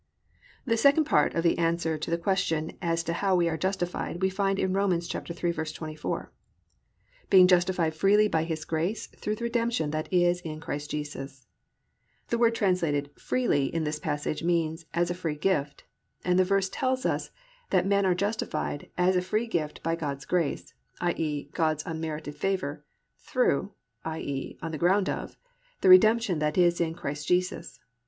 2. The second part of the answer to the question as to how we are justified we find in Rom. 3:24. +"Being justified freely by his grace through the redemption that is in Christ Jesus."+ The word translated "freely" in this passage means, as a free gift, and the verse tells us that men are justified as a free gift by God's grace (i.e., God's unmerited favour) through (i.e., on the ground of) the redemption that is in Christ Jesus.